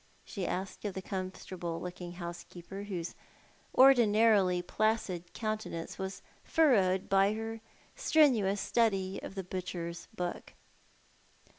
she asked of the comfortable looking housekeeper, whose ordinarily placid countenance was furrowed by her strenuous study of the butcher's book.